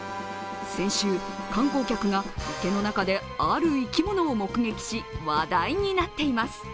先週、観光客が池の中である生き物を目撃し、話題になっています。